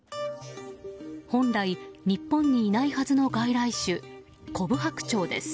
本来、日本にいないはずの外来種コブハクチョウです。